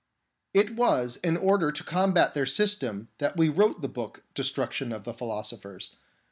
It was in order to combat their system that we wrote the work Destruction of the Philosophers.